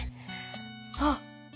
あっ！